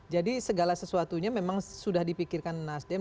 jadi segala sesuatunya memang sudah dipikirkan nasdem